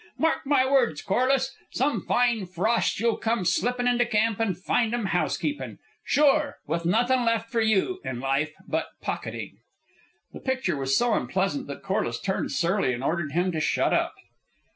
Mark my words, Corliss! Some fine frost you'll come slippin' into camp and find 'em housekeepin'. Sure! With nothin' left for you in life but pocketing!" The picture was so unpleasant that Corliss turned surly and ordered him to shut up.